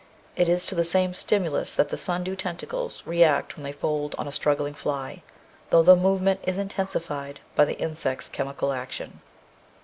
It is to the same stimulus that the sundew tentacles react when they fold on a struggling fly, though the movement is intensified by the insect's chemical action.